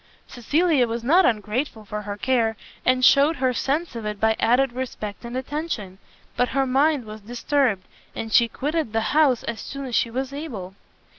Cecilia was not ungrateful for her care, and shewed her sense of it by added respect and attention; but her mind was disturbed, and she quitted the house as soon as she was able.